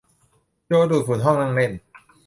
โจดูดฝุ่นห้องนั่งเล่น